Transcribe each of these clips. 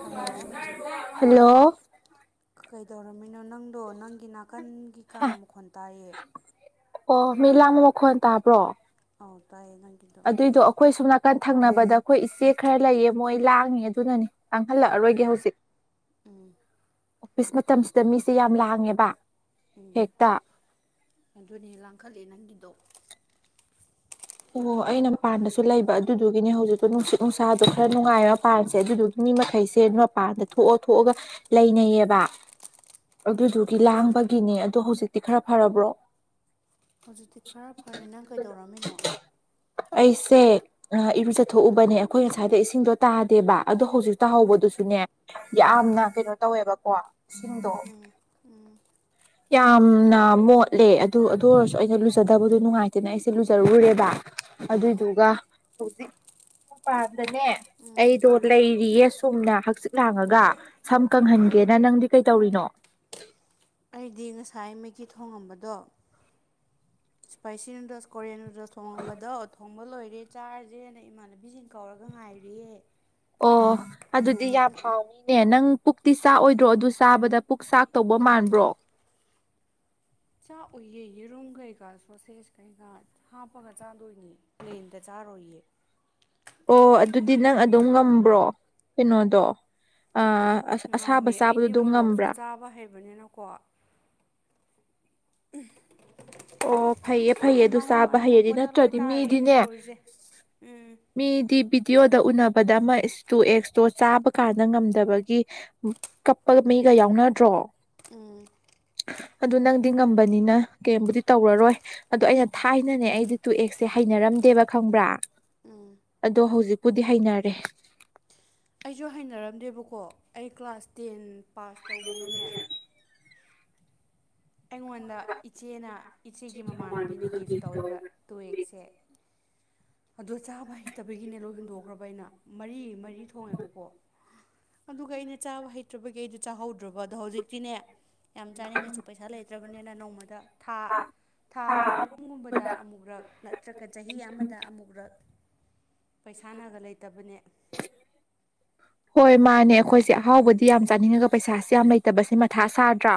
Hello hello ꯀꯩꯗꯧꯔꯝꯃꯤꯅꯣ ꯅꯪꯗꯣ ꯅꯪꯒꯤ ꯅꯥꯀꯟꯒꯤ ꯀꯥ ꯃꯈꯣꯟ ꯇꯥꯏꯌꯦ ꯑꯣ ꯃꯤ ꯂꯥꯡꯕ ꯃꯈꯣꯟ ꯇꯥꯕ꯭ꯔꯣ ꯑꯧ ꯇꯥꯏꯌꯦ ꯅꯪꯒꯤ ꯑꯗꯨꯏꯗꯣ ꯑꯩꯈꯣꯏ ꯁꯣꯝ ꯅꯥꯀꯟ ꯊꯪꯅꯕꯗ ꯑꯩꯈꯣꯏ ꯏꯆꯦ ꯈꯔ ꯂꯩꯌꯦ ꯃꯣꯏ ꯂꯥꯡꯉꯤ ꯑꯗꯨꯅꯅꯤ ꯂꯥꯡꯍꯜꯂꯛꯑꯔꯣꯏꯒꯦ ꯍꯧꯖꯤꯛ ꯎꯝ ꯑꯣꯐꯤꯁ ꯃꯇꯝꯁꯤꯗ ꯃꯤꯁꯦ ꯌꯥꯝ ꯂꯥꯡꯉꯦꯕ ꯎꯝ ꯍꯦꯛꯇ ꯑꯗꯨꯅꯦ ꯂꯥꯡꯈꯠꯂꯦ ꯅꯪꯒꯤꯗꯣ ꯑꯣ ꯑꯩꯅ ꯄꯥꯟꯗꯁꯨ ꯂꯩꯕ ꯑꯗꯨꯗꯨꯒꯤꯅꯦ ꯍꯧꯖꯤꯛꯇꯣ ꯅꯨꯡꯁꯤꯠ ꯅꯨꯡꯁꯥꯗꯣ ꯈꯔ ꯅꯨꯡꯉꯥꯏꯔ ꯄꯥꯟꯁꯦ ꯑꯗꯨꯗꯨꯒꯤ ꯃꯤ ꯃꯈꯩꯁꯦ ꯃꯄꯥꯟꯗ ꯊꯣꯛꯑ ꯊꯣꯛꯑꯒ ꯂꯩꯅꯩꯌꯦꯕꯥ ꯑꯗꯨꯗꯨꯒꯤ ꯂꯥꯡꯕꯒꯤꯅꯦ ꯑꯗꯣ ꯍꯧꯖꯤꯛꯇꯤ ꯈꯔ ꯐꯔꯕ꯭ꯔꯣ ꯍꯧꯖꯤꯛꯇꯤ ꯈꯔ ꯐꯔꯦ ꯅꯪ ꯀꯩꯗꯧꯔꯝꯃꯤꯅꯣ ꯑꯩꯁꯦ ꯑ ꯏꯔꯨꯖꯊꯣꯛꯎꯕꯅꯦ ꯑꯩꯈꯣꯏ ꯉꯁꯥꯏꯗꯩꯩ ꯏꯁꯤꯡꯗꯣ ꯇꯥꯗꯦꯕꯥ ꯑꯗꯣ ꯍꯧꯖꯤꯛ ꯇꯥꯍꯧꯕꯗꯨꯁꯨꯅꯦ ꯌꯥꯝꯅ ꯀꯩꯅꯣ ꯇꯧꯋꯦꯕꯀꯣ ꯏꯁꯤꯡꯗꯣ ꯎꯝ ꯎꯝ ꯌꯥꯝꯅ ꯃꯣꯠꯂꯦ ꯑꯗꯨ ꯑꯗꯨ ꯑꯣꯏꯔꯁꯨ ꯑꯩꯅ ꯂꯨꯖꯗꯕꯗꯣ ꯅꯨꯡꯉꯥꯏꯇꯦꯅ ꯑꯩꯁꯦ ꯂꯨꯖꯔꯨꯔꯦꯕ ꯎꯝ ꯑꯗꯨꯏꯗꯨꯒ ꯍꯧꯖꯤꯛ ꯃꯄꯥꯟꯗꯅꯦ ꯎꯝ ꯑꯩꯗꯣ ꯂꯩꯔꯤꯌꯦ ꯁꯨꯝꯅ ꯍꯪꯆꯤꯛ ꯂꯥꯡꯉꯒ ꯁꯝ ꯀꯪꯍꯟꯒꯦꯅ ꯅꯪꯗꯤ ꯀꯩ ꯇꯧꯔꯤꯅꯣ ꯑꯩꯗꯤ ꯉꯁꯥꯏ ꯃꯦꯒꯤ ꯊꯣꯡꯉꯝꯕꯗꯣ ꯏꯁꯄꯥꯏꯁꯤ ꯅꯨꯗꯜꯁ ꯀꯣꯔꯤꯌꯟ ꯅꯨꯗꯜꯁ ꯊꯣꯡꯉꯝꯕꯗꯣ ꯊꯣꯡ ꯕ ꯂꯣꯏꯔꯦ ꯆꯥꯔꯖꯦꯅ ꯏꯃꯥꯟꯅꯕꯤꯖꯤꯡ ꯀꯧꯔꯒ ꯉꯥꯏꯔꯤꯌꯦ ꯑꯣ ꯑꯗꯨꯗꯤ ꯌꯥꯝ ꯍꯥꯎꯅꯤꯅꯦ ꯅꯪ ꯄꯨꯛꯇꯤ ꯆꯥꯛꯑꯣꯏꯗ꯭ꯔꯣ ꯑꯗꯨ ꯆꯥꯕꯗ ꯄꯨꯛ ꯆꯥꯛ ꯇꯧꯕ ꯃꯥꯟꯕ꯭ꯔꯣ ꯆꯥꯛ ꯑꯣꯏꯌꯦ ꯌꯦꯔꯨꯝ ꯀꯩꯀꯥ ꯁꯣꯁꯦꯁ ꯀꯩꯀꯥ ꯍꯥꯞꯄꯒ ꯆꯥꯗꯣꯏꯅꯦ ꯄ꯭ꯂꯦꯟꯗ ꯆꯥꯔꯣꯏꯌꯦ ꯑꯣ ꯑꯗꯨꯗꯤ ꯅꯪ ꯑꯗꯨꯝ ꯉꯝꯕ꯭ꯔꯣ ꯀꯩꯅꯣꯗꯣ ꯑ ꯉꯝꯃꯦ ꯑꯩꯗꯤ ꯃꯣꯔꯣꯛꯁꯨ ꯆꯥꯕ ꯍꯩꯕꯅꯤꯅꯀꯣ ꯎꯝ ꯑꯣ ꯐꯩꯌꯦ ꯐꯩꯌꯦ ꯑꯗꯨ ꯆꯥꯕ ꯍꯩꯔꯗꯤ ꯕꯣꯇꯜ ꯂꯣꯏ ꯅꯠꯇ꯭ꯔꯥꯗꯤ ꯇꯥꯔꯛꯑꯦꯅꯦ ꯃꯤꯗꯤꯅꯦ ꯇꯧꯔꯤꯁꯦ ꯎꯝ ꯃꯤꯗꯤ ꯚꯤꯗꯤꯑꯣꯗ ꯎꯅꯕꯗ ꯑꯃ ꯏꯁ ꯇꯨ ꯑꯦꯛꯁꯇꯣ ꯆꯥꯕ ꯀꯥꯟꯗ ꯉꯝꯗꯕꯒꯤ ꯀꯞꯄꯒ ꯃꯤꯒ ꯌꯥꯎꯅꯗ꯭ꯔꯣ ꯎꯝ ꯑꯗꯨ ꯅꯪꯗꯤ ꯉꯝꯕꯅꯤꯅ ꯀ꯭ꯌꯦꯝꯕꯨꯗꯤ ꯇꯧꯔꯔꯣꯏ ꯑꯗꯨ ꯑꯩꯅ ꯊꯥꯏꯅꯅꯦ ꯑꯩꯗꯤ ꯇꯨ ꯑꯦꯛꯁꯁꯦ ꯍꯩꯅꯔꯝꯗꯦꯕ ꯈꯪꯕ꯭ꯔꯥ ꯑꯗꯣ ꯍꯧꯖꯤꯛꯄꯨꯗꯤ ꯍꯩꯅꯔꯦ ꯑꯩꯁꯨ ꯍꯩꯅꯔꯝꯗꯦꯕꯀꯣ ꯑꯩ ꯀ꯭ꯂꯥꯁ ꯇꯦꯟ ꯄꯥꯁ ꯇꯧꯕꯅꯅꯦ ꯑꯩꯉꯣꯟꯗ ꯏꯆꯦꯅ ꯏꯆꯦꯒꯤ ꯃꯃꯥꯟꯅꯕꯤꯅ ꯒꯤꯐ ꯇꯧꯑꯦꯕ ꯇꯨꯑꯦꯛꯁꯁꯦ ꯑꯗꯣ ꯆꯥꯕ ꯍꯩꯇꯕꯒꯤꯅꯦ ꯂꯣꯏ ꯍꯨꯟꯗꯣꯛꯈ꯭ꯔꯕ ꯑꯩꯅ ꯃꯔꯤ ꯃꯔꯤ ꯊꯣꯡꯉꯦꯕꯀꯣ ꯑꯗꯨꯒ ꯑꯩꯅ ꯆꯥꯕ ꯍꯩꯇ꯭ꯔꯕꯒꯤ ꯑꯩꯗꯣ ꯆꯥꯍꯧꯗ꯭ꯔꯕ ꯑꯗꯣ ꯍꯧꯖꯤꯛꯇꯤꯅꯦ ꯌꯥꯝ ꯆꯥꯅꯤꯡꯉꯁꯨ ꯄꯩꯁꯥ ꯂꯩꯇ꯭ꯔꯕꯅꯤꯅ ꯅꯣꯡꯃꯗ ꯊꯥ ꯊꯥ ꯑꯍꯨꯝꯒꯨꯝꯕꯗ ꯑꯃꯨꯛꯔꯛ ꯅꯠꯇ꯭ꯔꯒ ꯆꯍꯤ ꯑꯃꯗ ꯑꯃꯨꯛꯔꯛ ꯄꯩꯁꯥꯅꯒ ꯂꯩꯇꯕꯅꯦ [inaudible] ꯍꯣꯏ ꯃꯥꯅꯦ ꯑꯩꯈꯣꯏꯁꯦ ꯑꯍꯥꯎꯕꯗꯤ ꯌꯥꯝ ꯆꯥꯅꯤꯡꯉꯒ ꯄꯩꯁꯥꯥꯁꯦ ꯌꯥꯝ ꯂꯩꯇꯕꯁꯦ ꯃꯊꯥ ꯁꯥꯗ꯭ꯔꯥ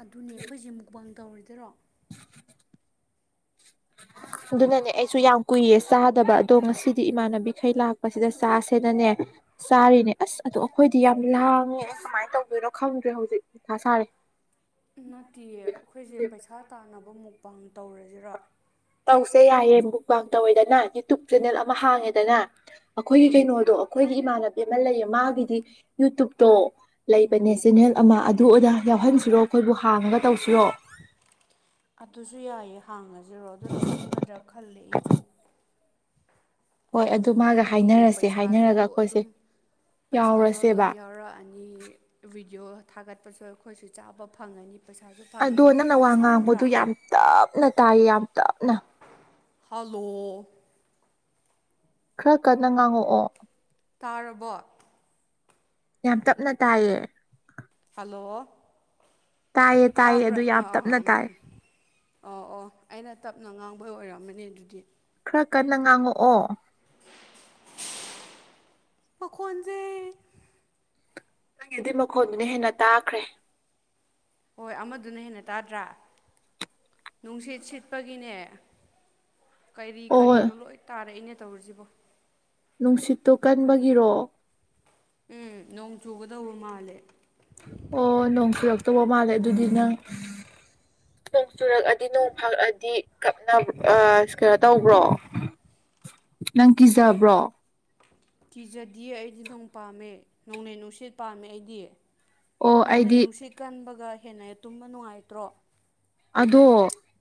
ꯑꯗꯨꯅꯦ ꯑꯩꯈꯣꯏꯁꯦ ꯃꯨꯛꯕꯥꯡ ꯇꯧꯔꯤꯗꯣꯏꯔꯣ [inaudible] ꯑꯗꯨꯅꯅꯦ ꯑꯩꯁꯨ ꯌꯥꯝ ꯀꯨꯏꯌꯦ ꯆꯥꯗꯕ ꯑꯗꯣ ꯉꯁꯤꯗꯤ ꯏꯃꯥꯟꯅꯕꯤꯈꯩ ꯂꯥꯛꯄꯁꯤꯗ ꯆꯥꯁꯤꯅꯅꯦ ꯆꯥꯔꯤꯅꯦ ꯑꯁ ꯑꯗꯣ ꯑꯩꯈꯣꯏꯗꯤ ꯌꯥꯝ ꯂꯥꯡꯉꯦ ꯑꯩ ꯀꯃꯥꯏꯅ ꯇꯧꯗꯣꯏꯅꯣ ꯈꯪꯗ꯭ꯔꯦ ꯍꯧꯖꯤꯛ ꯃꯊꯥ ꯁꯥꯔꯦ ꯅꯠꯇꯦꯌꯦ ꯑꯩꯈꯣꯏꯁꯦ ꯄꯩꯁꯥ ꯇꯥꯟꯅꯕ ꯃꯨꯛꯕꯥꯡ ꯇꯧꯔꯁꯤꯔꯥ ꯇꯧꯁꯦ ꯌꯥꯏꯌꯦ ꯃꯨꯛꯕꯥꯡ ꯇꯧꯋꯦꯗꯅ ꯌꯨꯇꯨꯞ ꯆꯦꯅꯦꯜ ꯑꯃ ꯍꯥꯡꯉꯦꯗꯅ ꯑꯩꯈꯣꯏꯒꯤ ꯀꯩꯅꯣꯗꯣ ꯑꯩꯈꯣꯏꯒꯤ ꯏꯃꯥꯟꯅꯕꯤ ꯑꯃ ꯂꯩꯌꯦ ꯃꯥꯒꯤꯗꯤ ꯌꯨꯇꯨꯞꯇꯣ ꯂꯩꯕꯅꯦ ꯆꯦꯟꯅꯜ ꯑꯃ ꯑꯗꯨ ꯑꯣꯏꯅ ꯌꯥꯎꯍꯟꯁꯤꯔꯣ ꯑꯩꯈꯣꯏꯕꯨ ꯍꯥꯡꯉꯒ ꯇꯧꯁꯤꯔꯣ ꯑꯗꯨꯁꯨ ꯌꯥꯏꯌꯦ ꯍꯥꯡꯉꯁꯤꯔꯣ ꯑꯗꯨꯅ ꯁꯝꯒꯗ꯭ꯔꯥ ꯈꯜꯂꯦ ꯑꯩꯁꯨ ꯍꯣꯏ ꯑꯗꯨ ꯃꯥꯒ ꯍꯥꯏꯗꯤꯅꯦ ꯍꯥꯏꯅꯔꯁꯦ ꯄꯩꯁꯥꯁꯨ ꯍꯥꯏꯅꯔꯒ ꯑꯩꯈꯣꯏꯁꯦ ꯑꯗꯨꯝ ꯄꯩꯁꯥꯁꯨ ꯑꯗꯨꯝ ꯌꯥꯎꯔꯁꯦꯕ ꯌꯥꯎꯔꯛꯑꯅꯤ ꯕꯤꯗꯤꯑꯣ ꯊꯥꯒꯠꯄꯁꯨ ꯑꯩꯈꯣꯏꯁꯨ ꯆꯥꯕ ꯐꯪꯉꯅꯤ ꯄꯩꯁꯥꯁꯨ ꯑꯗꯣ ꯐꯪꯉꯅꯤ ꯅꯪꯅ ꯋꯥ ꯁꯝꯗ꯭ꯔꯥ ꯉꯥꯡꯕꯗꯣ ꯌꯥꯝ ꯇꯞꯅ ꯇꯥꯏꯌꯦ ꯌꯥꯝ ꯇꯞꯅ ꯍꯜꯂꯣ ꯈꯔ ꯀꯟꯅ ꯉꯥꯡꯉꯛꯑꯣ ꯇꯥꯔꯕꯣ ꯌꯥꯝ ꯇꯞꯅ ꯇꯥꯏꯌꯦ ꯍꯜꯂꯣ ꯇꯥꯏꯌꯦ ꯇꯥꯏꯌꯦ ꯇꯥꯕ꯭ꯔꯥ ꯑꯗꯨ ꯌꯥꯝ ꯑꯥ ꯇꯞꯅ ꯑꯥ ꯎꯝ ꯇꯥꯏ ꯎꯝ ꯑꯣ ꯑꯣ ꯑꯩꯅ ꯇꯞꯅ ꯉꯥꯡꯕꯩ ꯑꯣꯏꯔꯝꯃꯅꯤ ꯑꯗꯨꯗꯤ ꯈꯔ ꯀꯟꯅ ꯉꯥꯡꯉꯛꯑꯣ ꯃꯈꯣꯟꯖꯦ ꯅꯪꯒꯤꯗꯤ ꯃꯈꯣꯟꯗꯨꯅ ꯍꯦꯟꯅ ꯇꯥꯈ꯭ꯔꯦ ꯍꯣꯏ ꯑꯃꯗꯨꯅ ꯍꯦꯟꯅ ꯇꯥꯗ꯭ꯔꯥ ꯅꯨꯡꯁꯤꯠ ꯁꯤꯠꯄꯒꯤꯅꯦ ꯀꯔꯤ ꯑꯣ ꯀꯔꯤꯅꯣ ꯂꯣꯏ ꯇꯥꯔꯛꯏꯅꯦ ꯇꯧꯔꯤꯁꯤꯕꯣ ꯅꯨꯡꯁꯤꯠꯇꯨ ꯀꯟꯕꯒꯤꯔꯣ ꯎꯝ ꯅꯣꯡ ꯆꯨꯒꯗꯧꯕ ꯃꯥꯜꯂꯦ ꯑꯣ ꯅꯣꯡ ꯆꯨꯔꯛꯇꯧꯕ ꯃꯥꯜꯂꯦ ꯑꯗꯨꯗꯤ ꯅꯪ [inaudible] ꯅꯣꯡ ꯆꯨꯔꯛꯑꯗꯤ ꯅꯣꯡ ꯐꯥꯛꯑꯗꯤ ꯀꯞꯅ ꯑꯥ ꯀꯩꯅꯣ ꯇꯧꯕ꯭ꯔꯣ ꯅꯪ ꯀꯤꯖꯕ꯭ꯔꯣ ꯀꯤꯖꯗꯤꯌꯦ ꯑꯩꯗꯤ ꯅꯣꯡ ꯄꯥꯝꯃꯦ ꯅꯣꯡꯂꯩ ꯅꯨꯡꯁꯤꯠ ꯄꯥꯝꯃꯦ ꯑꯩꯗꯤ ꯑꯣ ꯅꯣꯡꯂꯩ ꯑꯩꯗꯤ ꯅꯨꯡꯁꯤꯠ ꯀꯟꯕꯒ ꯍꯦꯟꯅ ꯇꯨꯝꯕ ꯅꯨꯡꯉꯥꯏꯇ꯭ꯔꯣ ꯑꯗꯣ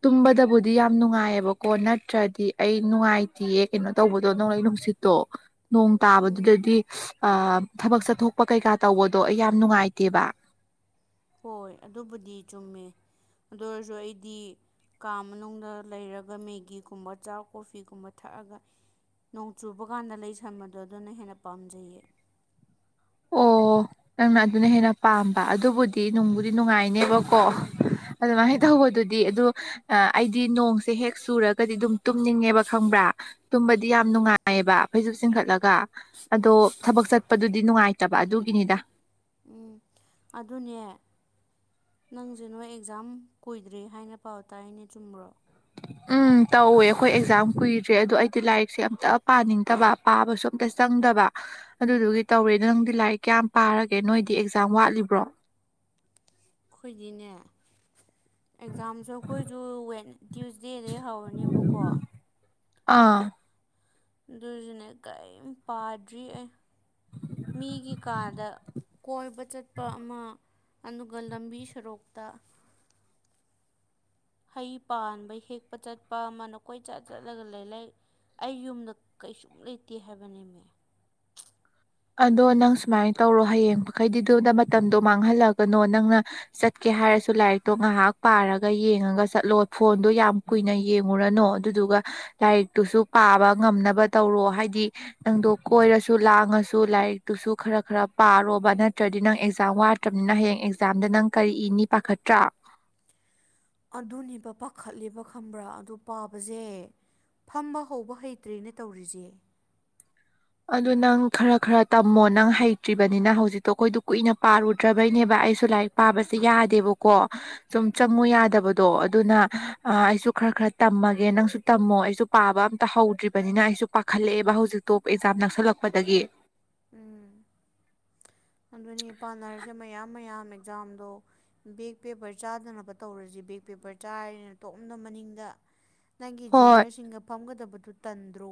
ꯇꯨꯝꯕꯗꯕꯨꯗꯤ ꯌꯥꯝ ꯅꯨꯡꯉꯥꯏꯌꯦꯕꯀꯣ ꯅꯠꯇ꯭ꯔꯗꯤ ꯑꯩ ꯅꯨꯡꯉꯥꯏꯇꯦꯌꯦ ꯀꯩꯅꯣ ꯇꯧꯕꯗꯣ ꯅꯣꯡꯂꯩ ꯅꯨꯡꯁꯤꯠ ꯇꯣ ꯅꯣꯡ ꯇꯥꯕꯗꯨꯗꯗꯤ ꯑ ꯊꯕꯛ ꯆꯠꯊꯣꯛꯄ ꯀꯩꯀꯥ ꯇꯧꯕꯗꯣ ꯑꯩ ꯌꯥꯝ ꯅꯨꯡꯉꯥꯏꯇꯦꯕ ꯍꯣꯏ ꯑꯗꯨꯕꯨꯗꯤ ꯆꯨꯝꯃꯦ ꯑꯗꯨ ꯑꯣꯏꯔꯁꯨ ꯑꯩꯗꯤ ꯀꯥ ꯃꯅꯨꯡꯗ ꯂꯩꯔꯒ ꯃꯦꯒꯤꯒꯨꯝꯕ ꯆꯥꯛ ꯀꯣꯐꯤꯒꯨꯝꯕ ꯊꯛꯑꯒ ꯅꯣꯡ ꯆꯨꯕ ꯀꯥꯟꯗ ꯂꯩꯁꯟꯕꯗꯣ ꯑꯗꯨꯅ ꯍꯦꯟꯅ ꯄꯥꯝꯖꯩꯌꯦ ꯑꯣ ꯅꯪꯅ ꯑꯗꯨꯅ ꯍꯦꯟꯅ ꯄꯥꯝꯕ ꯑꯗꯨꯕꯨꯗꯤ ꯅꯨꯡꯕꯨꯗꯤ ꯅꯨꯡꯉꯥꯏꯅꯦꯕꯀꯣ ꯑꯗꯨꯃꯥꯏꯅ ꯎꯝ ꯍꯦꯛ ꯇꯧꯕꯗꯨꯗꯤ ꯑꯗꯨ ꯑꯩꯗꯤ ꯅꯣꯡꯁꯦ ꯍꯦꯛ ꯆꯨꯔꯛ ꯀꯗꯤ ꯑꯗꯨꯝ ꯇꯨꯝꯅꯤꯡꯉꯦꯕ ꯈꯪꯕ꯭ꯔꯥ ꯇꯨꯝꯕꯗꯤ ꯌꯥꯝ ꯎꯝ ꯅꯨꯡꯉꯥꯏꯌꯦꯕ ꯐꯩꯖꯨꯞ ꯆꯤꯡꯈꯠꯂꯒ ꯑꯗꯣ ꯊꯕꯛ ꯆꯠꯄꯗꯨꯗꯤ ꯅꯨꯡꯉꯥꯏꯇꯕ ꯑꯗꯨꯒꯤꯅꯤꯗ ꯎꯝ ꯑꯗꯨꯅꯦ ꯅꯪꯁꯦ ꯅꯣꯏ ꯑꯦꯛꯖꯥꯝ ꯀꯨꯏꯗ꯭ꯔꯤ ꯍꯥꯏꯅ ꯄꯥꯎ ꯇꯥꯢꯅꯦ ꯆꯨꯝꯕ꯭ꯔꯣ ꯎꯝ ꯇꯧꯋꯦ ꯑꯩꯈꯣꯏ ꯑꯦꯛꯖꯥꯝ ꯀꯨꯏꯗ꯭ꯔꯦ ꯑꯗꯣ ꯑꯩꯗꯤ ꯂꯥꯏꯔꯤꯛꯁꯦ ꯑꯝꯇ ꯄꯥꯅꯤꯡꯗꯕ ꯄꯥꯕꯁꯨ ꯑꯝꯇ ꯆꯪꯗꯕ ꯑꯗꯨꯗꯨꯒꯤ ꯇꯧꯔꯦ ꯅꯪꯗꯤ ꯂꯥꯏꯔꯤꯛ ꯀꯌꯥꯝ ꯄꯥꯔꯒꯦ ꯅꯣꯏꯗꯤ ꯑꯦꯛꯖꯥꯝ ꯋꯥꯠꯂꯤꯕ꯭ꯔꯣ ꯈꯣꯏꯗꯤꯅꯦ ꯑꯦꯛꯖꯥꯝꯁꯨ ꯑꯩꯈꯣꯏꯁꯨ ꯋꯦꯠ ꯇ꯭ꯌꯨꯁꯗꯦꯗꯩ ꯍꯧꯔꯅꯦꯕꯀꯣ ꯑꯥ ꯑꯗꯨꯖꯤꯅꯦ ꯀꯔꯤꯝ ꯄꯥꯗ꯭ꯔꯤ ꯑꯦ ꯃꯤꯒꯤ ꯀꯥꯗ ꯀꯣꯏꯕ ꯆꯠꯄ ꯑꯃ ꯑꯅꯨꯒ ꯂꯝꯕꯤ ꯁꯣꯔꯣꯛꯇ ꯍꯩ ꯄꯥꯟꯕ ꯍꯦꯛꯄ ꯆꯠꯄ ꯑꯃ ꯅꯀꯣꯏ ꯆꯠ ꯆꯠꯂꯒ ꯂꯩ ꯂꯩ ꯑꯩ ꯌꯨꯝꯗ ꯀꯩꯁꯨꯝ ꯂꯩꯇꯦ ꯍꯥꯏꯕꯅꯦꯃꯦ ꯑꯗꯣ ꯅꯪ ꯁꯨꯃꯥꯏꯅ ꯇꯧꯔꯣ ꯍꯌꯦꯡ ꯃꯈꯩꯗꯤꯗꯨꯗ ꯃꯇꯝꯗꯣ ꯃꯥꯡꯍꯜꯂꯒꯅꯣ ꯅꯪꯅ ꯆꯠꯀꯦ ꯍꯥꯏꯔꯁꯨ ꯂꯥꯏꯔꯤꯛꯇꯣ ꯉꯥꯏꯍꯥꯛ ꯄꯥꯔꯒ ꯌꯦꯡꯉꯒ ꯆꯠꯂꯣ ꯐꯣꯟꯗꯣ ꯌꯥꯝ ꯀꯨꯏꯅ ꯌꯦꯡꯉꯨꯔꯅꯨ ꯑꯗꯨꯗꯨꯒ ꯂꯥꯏꯔꯤꯛꯇꯨꯁꯨ ꯄꯥꯕ ꯉꯝꯅꯕ ꯇꯧꯔꯣ ꯍꯥꯏꯗꯤ ꯅꯪꯗꯣ ꯀꯣꯏꯔꯁꯨ ꯂꯥꯡꯉꯁꯨ ꯇꯨ ꯂꯥꯏꯔꯤꯛꯇꯨꯁꯨ ꯈꯔ ꯈꯔ ꯄꯥꯔꯣꯕ ꯅꯠꯇ꯭ꯔꯗꯤ ꯅꯪ ꯑꯦꯛꯖꯥꯝ ꯋꯥꯠꯇ꯭ꯔꯕꯅꯤꯅ ꯍꯌꯦꯡ ꯑꯦꯛꯖꯥꯝꯗ ꯅꯪ ꯀꯔꯤ ꯏꯅꯤ ꯄꯥꯈꯠꯇ꯭ꯔꯥ ꯑꯗꯨꯅꯦꯕ ꯄꯥꯈꯠꯂꯦꯕ ꯈꯪꯕ꯭ꯔꯥ ꯑꯗꯨ ꯄꯥꯕꯖꯦ ꯐꯝꯕ ꯍꯧꯕ ꯍꯩꯇ꯭ꯔꯦꯅ ꯇꯧꯔꯤꯁꯦ꯫ ꯑꯗꯨ ꯅꯪ ꯈꯔ ꯈꯔ ꯇꯝꯃꯣ ꯅꯪ ꯍꯩꯇ꯭ꯔꯤꯕꯅꯤꯅ ꯍꯧꯖꯤꯛꯇꯣ ꯑꯩꯈꯣꯏꯗꯣ ꯀꯨꯏꯅ ꯄꯥꯔꯨꯗ꯭ꯔꯕꯩꯅꯦꯕ ꯑꯩꯁꯨ ꯂꯥꯏꯔꯤꯛ ꯄꯥꯕꯁꯦ ꯌꯥꯗꯦꯕꯀꯣ ꯁꯨꯝ ꯆꯪꯉꯨ ꯌꯥꯗꯕꯗꯣ ꯑꯗꯨꯅ ꯑꯩꯁꯨ ꯈꯔ ꯈꯔ ꯇꯝꯃꯒꯦ ꯅꯪꯁꯨ ꯇꯝꯃꯣ ꯑꯩꯁꯨ ꯄꯥꯕ ꯑꯝꯇ ꯍꯧꯗ꯭ꯔꯤꯕꯅꯤꯅ ꯑꯩꯁꯨ ꯄꯥꯈꯠꯂꯛꯑꯦꯕ ꯍꯧꯖꯤꯛ ꯇꯣꯞ ꯑꯦꯛꯖꯥꯝ ꯅꯛꯁꯜꯂꯛꯄꯗꯒꯤ꯫ ꯎꯝ ꯑꯗꯨꯅꯦ ꯄꯥꯟꯅꯔꯁꯦ ꯃꯌꯥꯝ ꯃꯌꯥꯝ ꯑꯦꯛꯖꯥꯝꯗꯣ ꯕꯦꯛ ꯄꯦꯄꯔ ꯆꯥꯗꯅꯕ ꯇꯧꯔꯁꯤ ꯕꯦꯛ ꯄꯦꯄꯔ ꯆꯥꯔꯤꯅ ꯇꯣꯝꯅ ꯃꯅꯤꯡꯗ ꯅꯪꯒꯤ ꯍꯣꯏ ꯖꯨꯅꯤꯌꯔꯁꯤꯡꯒ ꯐꯝꯒꯗꯕꯗꯨ ꯇꯟꯗ꯭ꯔꯣ꯫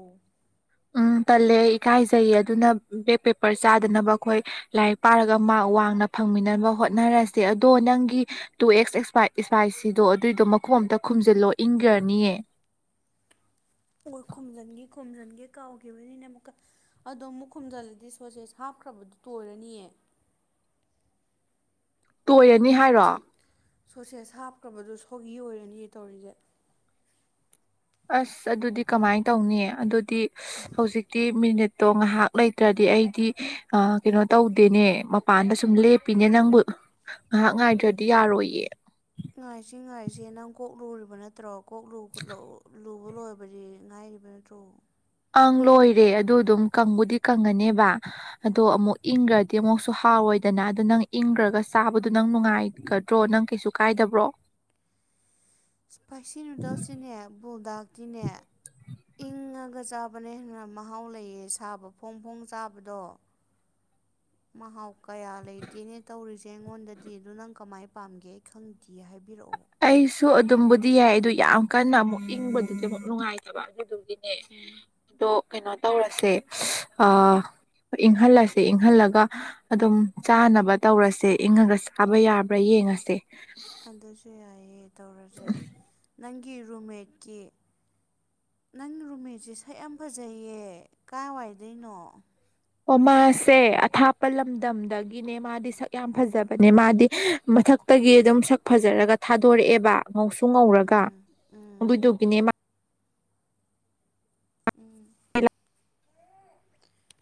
ꯎꯝ ꯇꯜꯂꯦ ꯏꯀꯥꯏꯖꯩꯌꯦ ꯑꯗꯨꯅ ꯕꯦꯛ ꯄꯦꯄꯔ ꯆꯥꯗꯅꯕ ꯑꯈꯣꯏ ꯂꯥꯏꯔꯤꯛ ꯄꯥꯔꯒ ꯃꯥꯛ ꯋꯥꯡꯅ ꯐꯪꯃꯤꯟꯅꯅꯕ ꯍꯣꯠꯅꯔꯁꯦ ꯑꯗꯣ ꯅꯪꯒꯤ ꯇꯨ ꯑꯦꯛꯁ ꯢꯢꯁꯄꯥꯥꯢ ꯏꯁꯄꯥꯏꯁꯤꯗꯣ ꯑꯗꯨꯏꯗꯣ ꯃꯈꯨꯝ ꯑꯝꯇ ꯈꯨꯝꯖꯤꯜꯂꯣ ꯏꯪꯒ꯭ꯔꯅꯤꯌꯦ꯫ ꯍꯣꯏ ꯈꯣꯨꯝꯖꯤꯟꯒꯦ ꯈꯣꯨꯝꯖꯤꯟꯒꯦ ꯀꯥꯎꯈꯤꯕꯅꯤꯅ ꯑꯃꯨꯛꯀ꯫ ꯑꯗꯣ ꯑꯃꯨꯛ ꯈꯨꯝꯖꯤꯜꯂꯗꯤ ꯁꯣꯁꯦꯁ ꯍꯥꯞꯈ꯭ꯔꯕꯗꯨ ꯇꯣꯏꯔꯅꯤꯌꯦ꯫ ꯇꯣꯏꯔꯅꯤ ꯍꯥꯏꯔꯣ ꯁꯣꯠꯁꯦꯁ ꯍꯥꯞꯈ꯭ꯔꯕꯗꯣ ꯁꯣꯒꯤ ꯑꯣꯏꯔꯅꯤꯌꯦ ꯇꯧꯔꯤꯖꯦ ꯑꯁ ꯑꯗꯨꯗꯤ ꯀꯃꯥꯏꯟ ꯇꯧꯅꯤ ꯑꯗꯨꯗꯤ ꯍꯧꯖꯤꯛꯇꯤ ꯃꯤꯅꯤꯠꯇꯣ ꯉꯥꯏꯍꯥꯛ ꯂꯩꯇ꯭ꯔꯗꯤ ꯑꯩꯗꯤ ꯑ ꯀꯩꯅꯣ ꯇꯧꯗꯦꯅꯦ ꯃꯄꯥꯟꯗ ꯁꯨꯝ ꯂꯦꯞꯄꯤꯅꯦ ꯅꯪꯕꯨ ꯉꯥꯏꯍꯥꯛ ꯉꯥꯏꯗ꯭ꯔꯗꯤ ꯌꯥꯔꯣꯏꯌꯦ ꯉꯥꯏꯁꯤ ꯉꯥꯏꯁꯤ ꯅꯪ ꯀꯣꯛ ꯂꯨꯔꯤꯕ ꯅꯠꯇ꯭ꯔꯣ ꯀꯣꯛ ꯂꯨ ꯈꯣꯠꯂꯥꯎ ꯂꯨꯕ ꯂꯣꯏꯕꯗꯤ ꯉꯥꯏꯔꯤꯕ ꯅꯠꯇ꯭ꯔꯣ ꯑꯪ ꯂꯣꯏꯔꯦ ꯑꯗꯨ ꯑꯗꯨꯝ ꯀꯪꯕꯨꯗꯤ ꯀꯪꯉꯅꯦꯕ ꯑꯗꯣ ꯎꯝ ꯑꯃꯨꯛ ꯏꯪꯒ꯭ꯔ ꯗꯤ ꯑꯃꯨꯛꯁꯨ ꯍꯥꯎꯔꯣꯏꯗꯅ ꯑꯗꯣ ꯅꯪ ꯏꯪꯒ꯭ꯔꯒ ꯆꯥꯕꯗꯣ ꯅꯪ ꯅꯨꯡꯉꯥꯏꯒꯗ꯭ꯔꯣ ꯅꯪ ꯀꯩꯁꯨ ꯀꯥꯏꯗꯕ꯭ꯔꯣ [unintelligible] ꯏꯁꯄꯥꯏꯁꯤ ꯅꯨꯗꯜꯁꯇꯤꯅꯦ ꯕꯨꯜꯗꯥꯛꯇꯤꯅꯦ ꯏꯪꯉꯒ ꯆꯥ ꯕꯅ ꯍꯦꯟꯅ ꯃꯍꯥꯎ ꯂꯩꯌꯦ ꯁꯥꯕ ꯐꯣꯡ ꯐꯣꯡ ꯆꯥꯕꯗꯣ ꯃꯍꯥꯎ ꯀꯌꯥ ꯂꯩꯇꯦꯅꯦ ꯇꯧꯔꯤꯖꯦ ꯑꯩꯉꯣꯟꯗꯗꯤ ꯑꯗꯨ ꯅꯪ ꯀꯃꯥꯏ ꯄꯥꯝꯒꯦ ꯑꯩ ꯈꯪꯗꯤꯌꯦ ꯍꯥꯏꯕꯤꯔꯛꯑꯣ ꯑꯩꯁꯨ ꯑꯗꯨꯝꯕꯨꯗꯤ ꯌꯥꯏ ꯑꯗꯨ ꯌꯥꯝ ꯀꯟꯅ ꯑꯃꯨꯛ ꯏꯪꯕꯗꯨꯗꯤ ꯑꯃꯨꯛ ꯅꯨꯡꯉꯥꯏꯇꯕ ꯑꯗꯨꯗꯨꯒꯤ ꯎꯝ ꯑꯗꯣ ꯀꯩꯅꯣ ꯇꯧꯔꯁꯦ ꯑꯥ ꯏꯪꯍꯜꯂꯁꯦ ꯏꯪꯍꯜꯂꯒ ꯑꯗꯨꯝ ꯆꯥꯅꯕ ꯇꯧꯔꯁꯦ ꯏꯪꯉꯒ ꯆꯥꯕ ꯌꯥꯕ꯭ꯔꯥ ꯌꯦꯡꯉꯁꯦ ꯑꯗꯨꯖꯨ ꯌꯥꯏꯌꯦ ꯇꯧꯔꯖꯦ ꯅꯪꯒꯤ ꯔꯨꯝꯃꯦꯠꯀꯤ ꯅꯪ ꯔꯨꯃꯦꯠꯁꯦ ꯁꯛ ꯌꯥꯝ ꯐꯖꯩꯌꯦ ꯀꯥꯏꯋꯥꯏꯗꯣꯏꯅꯣ ꯑꯣ ꯃꯥꯁꯦ ꯑꯊꯥꯞꯄ ꯂꯝꯗꯝꯗꯒꯤꯅꯦ ꯃꯥꯗꯤ ꯁꯛ ꯌꯥꯝ ꯐꯖꯕꯅꯦ ꯃꯥꯗꯤ ꯃꯊꯛꯇꯒꯤ ꯑꯗꯨꯝ ꯁꯛ ꯐꯖꯔꯒ ꯊꯥꯗꯣꯔꯛꯑꯦꯕ ꯉꯧꯁꯨ ꯉꯧꯔꯒ ꯑꯗꯨꯏꯗꯨꯒꯤꯅꯦ ꯃꯥ ꯎꯝ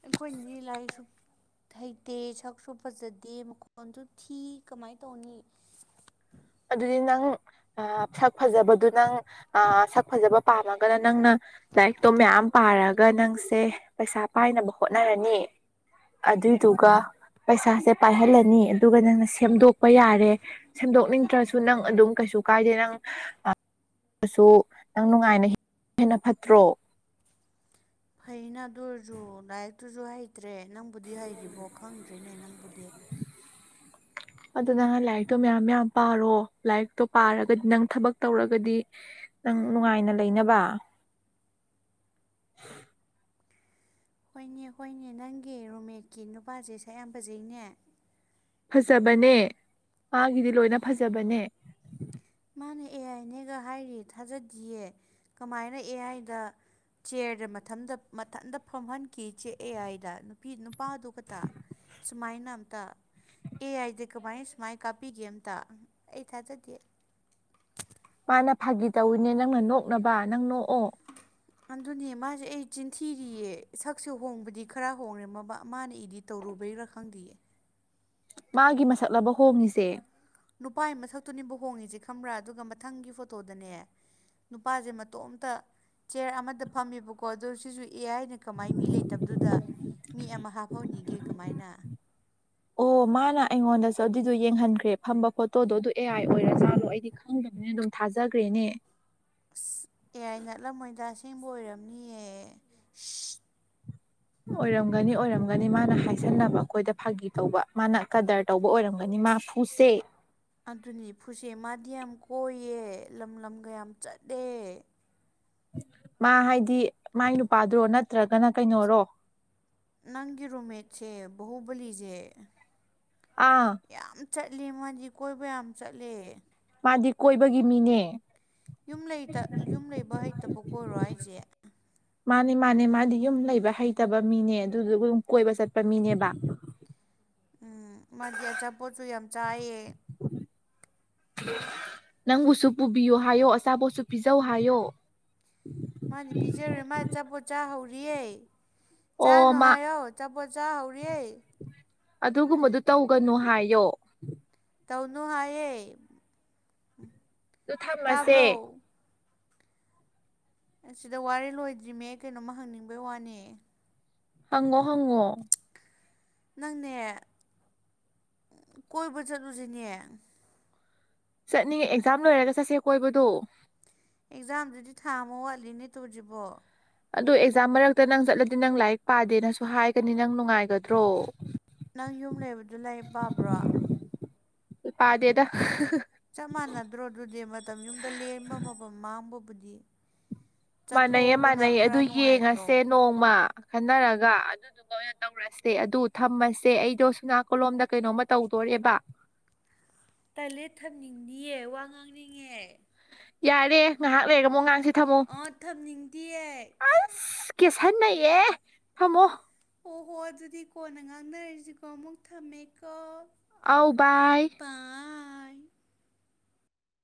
ꯑꯩꯈꯣꯏꯗꯤ ꯂꯥꯏꯔꯤꯛꯁꯨ ꯍꯩꯇꯦ ꯁꯛꯁꯨ ꯐꯖꯗꯦ ꯃꯈꯣꯟꯖꯨ ꯊꯤ ꯀꯃꯥꯏ ꯇꯧꯅꯤ ꯑꯗꯨꯗꯤ ꯅꯪ ꯑ ꯁꯛ ꯐꯖꯕꯗꯨ ꯅꯪ ꯑ ꯁꯛ ꯐꯖꯕ ꯄꯥꯝꯃꯒꯅ ꯅꯪꯅ ꯂꯥꯏꯔꯤꯛꯇꯣ ꯃꯌꯥꯝ ꯄꯥꯔꯒ ꯅꯪꯁꯦ ꯄꯩꯁꯥ ꯄꯥꯏꯅꯕ ꯍꯣꯠꯅꯔꯅꯤ ꯑꯗꯨꯏꯗꯨꯒ ꯄꯩꯁꯥꯁꯦ ꯄꯥꯏꯍꯜꯂꯅꯤ ꯑꯗꯨꯒ ꯅꯪꯅ ꯁꯦꯝꯗꯣꯛꯄ ꯌꯥꯔꯦ ꯁꯦꯝꯗꯣꯛꯅꯤꯡ ꯇ꯭ꯔꯁꯨ ꯅꯪ ꯑꯗꯨꯝ ꯀꯩꯁꯨ ꯀꯥꯏꯗꯦ ꯅꯪ ꯑ ꯑꯁꯨ ꯅꯪ ꯅꯨꯡꯉꯥꯏꯅ [inaudible] ꯍꯦꯟꯅ ꯐꯠꯇ꯭ꯔꯣ ꯐꯩꯅ ꯑꯗꯨꯔꯖꯨ ꯂꯥꯏꯔꯤꯛꯇꯨꯖꯨ ꯍꯩꯇ꯭ꯔꯦ ꯅꯪꯕꯨꯗꯤ ꯍꯩꯔꯤꯕꯣ ꯈꯪꯗ꯭ꯔꯤꯅꯦ ꯅꯪꯕꯨꯗꯤ ꯑꯗꯨ ꯅꯪꯅ ꯂꯥꯏꯔꯤꯛꯇꯣ ꯃꯌꯥꯝ ꯃꯌꯥꯝ ꯄꯥꯔꯣ ꯂꯥꯏꯔꯤꯛꯇꯣ ꯄꯥꯔꯒꯗꯤ ꯅꯪ ꯊꯕꯛ ꯇꯧꯔꯒꯗꯤ ꯅꯪ ꯅꯨꯡꯉꯥꯏꯅ ꯂꯩꯅꯕ ꯍꯣꯏꯅꯦ ꯍꯣꯏꯅꯦ ꯅꯪꯒꯤ ꯔꯨꯝꯃꯦꯠꯀꯤ ꯅꯨꯄꯥꯖꯦ ꯁꯛ ꯌꯥꯝ ꯐꯖꯩꯅꯦ ꯐꯖꯕꯅꯦ ꯃꯥꯒꯤꯗꯤ ꯂꯣꯏꯅ ꯐꯖꯕꯅꯦ ꯃꯥꯅ ꯑꯦ ꯑꯥꯏꯅꯦꯒ ꯍꯥꯏꯔꯤ ꯊꯥꯖꯗꯤꯌꯦ ꯀꯃꯥꯏꯅ ꯑꯦ ꯑꯥꯏꯗ ꯆ꯭ꯌꯔꯗ ꯃꯊꯟꯗ ꯃꯊꯟꯗ ꯐꯝꯍꯟꯀꯤ ꯆꯦ ꯑꯦ ꯑꯥꯏꯗ ꯅꯨ ꯄꯤ ꯅꯨꯄꯥꯗꯨ ꯈꯠꯇ ꯁꯨꯃꯥꯏꯅ ꯑꯝꯇ ꯑꯦ ꯑꯥꯏꯗꯤ ꯀꯃꯥꯏꯅ ꯁꯨꯃꯥꯏ ꯀꯥꯞꯄꯤꯒꯦ ꯑꯝꯇ ꯑꯩ ꯊꯥꯖꯗꯦ ꯃꯥꯅ ꯐꯥꯒꯤ ꯇꯧꯏꯅꯦ ꯅꯪꯅ ꯅꯣꯛꯅꯕ ꯅꯪ ꯅꯣꯛꯑꯣ ꯑꯗꯨꯅꯦ ꯃꯥꯖꯦ ꯑꯩ ꯆꯤꯟꯊꯤꯔꯤꯌꯦ ꯁꯛꯁꯦ ꯍꯣꯡꯕꯗꯤ ꯈ꯭ꯔ ꯍꯣꯡꯔꯝꯃꯕ ꯃꯥꯅ ꯏꯗꯤꯠ ꯇꯧꯔꯨꯕꯩꯔ ꯈꯪꯗꯤꯌꯦ ꯃꯥꯒꯤ ꯃꯁꯛꯂꯕ ꯍꯣꯡꯏꯖꯦ ꯅꯨꯄꯥꯏ ꯃꯊꯛꯇꯨꯅꯦꯕ ꯍꯣꯡꯉꯁꯦ ꯈꯪꯕ꯭ꯔꯥ ꯑꯗꯨꯒ ꯃꯊꯪꯒꯤ ꯐꯣꯇꯣꯗꯅꯦ ꯅꯨꯄꯥꯁꯦ ꯃꯇꯣꯝꯇ ꯆꯤꯌꯔ ꯑꯃꯗ ꯐꯝꯃꯦꯕꯀꯣ ꯑꯗꯣ ꯁꯤꯁꯨ ꯑꯦ ꯍꯥꯏꯅ ꯀꯃꯥꯏꯅ ꯃꯤ ꯂꯩꯇꯕꯗꯨꯗ ꯃꯤ ꯑꯃ ꯍꯥꯞꯍꯧꯅꯤꯒꯦ ꯀꯃꯥꯏꯅ ꯑꯣ ꯃꯥꯅ ꯑꯩꯉꯣꯟꯗꯁꯨ ꯑꯗꯨꯏꯗꯣ ꯌꯦꯡꯍꯟꯈ꯭ꯔꯦ ꯐꯝꯕ ꯐꯣꯇꯣꯗꯣ ꯑꯗꯨ ꯑꯦ ꯑꯥꯏ ꯑꯣꯏꯔ ꯖꯥꯠꯂꯣ ꯑꯩꯗꯤ ꯈꯪꯗꯕꯅꯦ ꯑꯗꯨꯝ ꯊꯥꯖꯈ꯭ꯔꯦꯅꯦ ꯑꯁ ꯑꯦꯌꯥꯏ ꯅꯠꯂꯝꯃꯣꯏꯗ ꯑꯁꯦꯡꯕ ꯑꯣꯏꯔꯝꯅꯤꯌꯦ ꯑꯣꯏꯔꯝꯒꯅꯤ ꯑꯣꯏꯔꯝꯒꯅꯤ ꯃꯥꯅ ꯍꯥꯏꯁꯟꯅꯕ ꯑꯩꯈꯣꯏꯗ ꯐꯥꯒꯤ ꯇꯧꯕ ꯃꯥꯅ ꯀꯗꯔ ꯇꯧꯕ ꯑꯣꯏꯔꯝꯒꯅꯤ ꯃꯥ ꯐꯨꯁꯦ ꯑꯗꯨꯅꯤ ꯐꯨꯁꯦ ꯃꯥꯗꯤ ꯌꯥꯝ ꯀꯣꯏꯌꯦ ꯂꯝ ꯂꯝꯒ ꯌꯥꯝ ꯆꯠꯂꯦ ꯃꯥ ꯍꯥꯏꯗꯤ ꯃꯥꯏ ꯅꯨꯄꯥꯗꯨꯔꯣ ꯅꯠꯇ꯭ꯔꯒꯅ ꯀꯩꯅꯣꯔꯣ ꯅꯪꯒꯤ ꯔꯨꯝꯃꯦꯠꯁꯦ ꯕꯍꯨꯕꯂꯤꯖꯦ ꯑꯥ ꯌꯥꯝ ꯆꯠꯂꯤ ꯃꯣꯏꯗꯤ ꯀꯣꯏꯕ ꯌꯥꯝ ꯆꯠꯂꯦ ꯃꯥꯗꯤ ꯀꯣꯏꯕꯒꯤ ꯃꯤꯅꯦ ꯌꯨꯝ ꯂꯩꯇ ꯌꯨꯝ ꯂꯩꯕ ꯍꯩꯇꯕ ꯑꯣꯏꯔꯣ ꯑꯩꯁꯦ ꯃꯥꯅꯤ ꯃꯥꯅꯦ ꯃꯥꯗꯤ ꯌꯨꯝ ꯂꯩꯕ ꯍꯩꯇꯕ ꯃꯤꯅꯦ ꯑꯗꯨꯗꯨꯒ ꯑꯗꯨꯝ ꯀꯣꯏꯕ ꯆꯠꯄ ꯃꯤꯅꯦꯕ ꯎꯝ ꯃꯥꯗꯤ ꯑꯆꯥꯄꯣꯠꯁꯨ ꯌꯥꯝ ꯆꯥꯏꯌꯦ ꯅꯪꯕꯨꯁꯨ ꯄꯨꯕꯤꯌꯨ ꯍꯥꯏꯌꯣ ꯑꯆꯥꯄꯣꯠꯁꯨ ꯄꯤꯖꯧ ꯍꯥꯏꯌꯣ ꯃꯥꯗꯤ ꯄꯤꯖꯔꯨꯔꯦ ꯃꯥ ꯑꯆꯥꯄꯣꯠ ꯆꯥ ꯍꯧꯔꯤꯌꯦ ꯑꯣ ꯆꯥꯅꯨ ꯃꯥ ꯍꯥꯏꯌꯣ ꯆꯄꯣꯠ ꯆꯥ ꯍꯧꯔꯤꯑꯦ ꯑꯗꯨꯒꯨꯝꯕꯗꯨ ꯇꯧꯒꯅꯨ ꯍꯥꯏꯌꯣ ꯇꯧꯅꯨ ꯍꯥꯏꯌꯦ ꯑꯗꯨ ꯊꯝꯃꯁꯦ ꯇꯥꯕ꯭ꯔꯣ ꯑꯁꯤꯗ ꯋꯥꯔꯤ ꯂꯣꯏꯗ꯭ꯔꯤꯃꯦ ꯑꯩ ꯀꯩꯅꯣꯃ ꯍꯪꯅꯤꯡꯕꯩ ꯋꯥꯅꯦ ꯍꯪꯉꯣ ꯍꯪꯉꯣ ꯅꯪꯅꯦ ꯀꯣꯏꯕ ꯆꯠꯂꯨꯁꯤꯅꯦ ꯆꯠꯅꯤꯡꯉꯦ ꯑꯦꯛꯖꯥꯝ ꯂꯣꯏꯔꯒ ꯆꯠꯁꯦ ꯀꯣꯏꯕꯗꯣ ꯑꯦꯛꯖꯥꯝꯗꯨꯗꯤ ꯊꯥꯝꯃꯣ ꯋꯥꯠꯂꯤꯅꯦ ꯇꯧꯗ꯭ꯔꯤꯕꯣ ꯑꯗꯨ ꯑꯦꯛꯖꯥꯝ ꯃꯔꯛꯇ ꯅꯪ ꯆꯠꯂꯗꯤ ꯅꯪ ꯂꯥꯏꯔꯤꯛ ꯄꯥꯗꯦꯅꯁꯨ ꯍꯥꯏꯒꯅꯤ ꯅꯪ ꯅꯨꯡꯉꯥꯏꯒꯗ꯭ꯔꯣ ꯅꯪ ꯌꯨꯝ ꯂꯩꯕꯗꯨ ꯂꯥꯏꯔꯤꯛ ꯄꯥꯕ꯭ꯔꯣ ꯄꯥꯗꯦꯗ ꯆꯞ ꯃꯥꯟꯅꯗ꯭ꯔꯣ ꯑꯗꯨꯗꯤ ꯃꯇꯝ ꯌꯨꯝꯗ ꯂꯦꯟꯕ ꯃꯇꯝ ꯃꯥꯡꯕꯕꯨꯗꯤ ꯃꯥꯟꯅꯩꯌꯦ ꯆꯠꯊꯣꯛꯑꯕꯅ ꯃꯥꯟꯅꯩꯌꯦ ꯑꯗꯨ ꯈꯔ ꯅꯨꯡꯉꯥꯏꯇ꯭ꯔꯣ ꯌꯦꯡꯉꯁꯦ ꯅꯣꯡꯃ ꯈꯟꯅꯔꯒ ꯑꯗꯨ ꯑꯗꯨꯒ ꯑꯣꯏꯅ ꯇꯧꯔꯁꯦ ꯑꯗꯨ ꯊꯝꯃꯁꯦ ꯑꯩꯗꯣ ꯁꯨꯅꯥ ꯀꯣꯂꯣꯝꯗ ꯀꯩꯅꯣꯝꯃ ꯇꯧꯗꯣꯔꯦꯕ ꯇꯥꯏꯂꯦ ꯊꯝꯅꯤꯡꯗꯤꯌꯦ ꯋꯥ ꯉꯥꯡꯅꯤꯡꯉꯦ ꯌꯥꯔꯦ ꯉꯥꯏꯍꯥꯛ ꯂꯩꯔ ꯑꯃꯨꯛ ꯉꯥꯡꯁꯤ ꯊꯝꯃꯣ ꯑꯣ ꯊꯝꯅꯤꯡꯗꯤꯌꯦ ꯀꯦꯁꯟꯅꯩꯌꯦ ꯊꯝꯃꯣ ꯑꯣꯍꯣ ꯑꯗꯨꯗꯤ ꯀꯣꯟꯅ ꯉꯥꯡꯅꯔꯤꯁꯤꯀꯣ ꯑꯃꯨꯛ ꯊꯝꯃꯦꯀꯣ ꯑꯥꯎ ꯕꯥꯏ ꯅꯥꯏꯠ